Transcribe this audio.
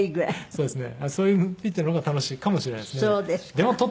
そうですね。